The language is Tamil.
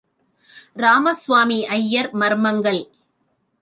ராமஸ்வாமி ஐயர் மர்மங்கள்.